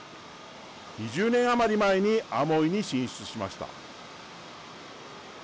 ２０年余り前にアモイに進出しました。